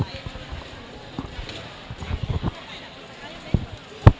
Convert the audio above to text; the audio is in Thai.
ไม่เป็นไรไม่เป็นไร